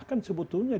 ini rumit sekali